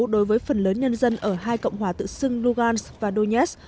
đối với phần lớn nhân dân ở hai cộng hòa tự xưng lugansk và donetsk